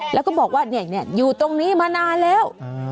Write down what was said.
แล้วก็บอกว่าอยู่ตรงนี้มานานแล้ว